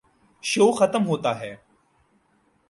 شو ختم ہوتا ہے۔